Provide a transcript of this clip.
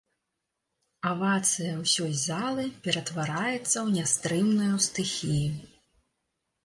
Авацыя ўсёй залы ператвараецца ў нястрымную стыхію.